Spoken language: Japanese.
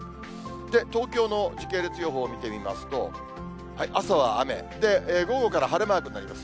東京の時系列予報を見てみますと、朝は雨、午後から晴れマークになります。